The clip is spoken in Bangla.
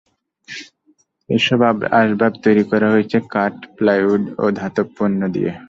এসব আসবাব তৈরি করা হয়েছে কাঠ, প্লাইউড ও ধাতব পণ্য দিয়ে।